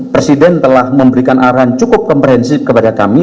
presiden telah memberikan arahan cukup komprehensif kepada kami